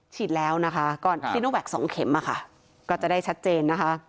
ฉีดแล้วนะคะก็ที่นุ่มแหวกสองเข็มอ่ะค่ะก็จะได้ชัดเจนนะคะ